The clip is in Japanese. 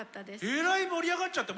えらい盛り上がっちゃって。